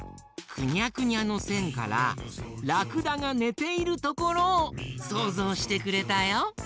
くにゃくにゃのせんからラクダがねているところをそうぞうしてくれたよ！